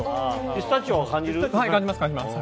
ピスタチオ感じる？感じます！